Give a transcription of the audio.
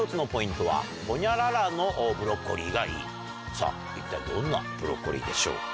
さぁ一体どんなブロッコリーでしょうか？